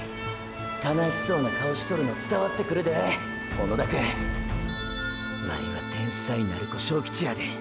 悲しそうな顔しとるの伝わってくるで小野田くんワイは天才鳴子章吉やで。